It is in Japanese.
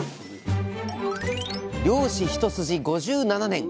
漁師一筋５７年。